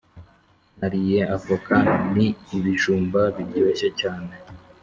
Nariye avoka ni ibijumba biryoshye cyane